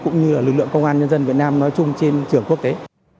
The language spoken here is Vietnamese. cũng như lực lượng công an nhân dân việt nam nói chung trên trường quốc tế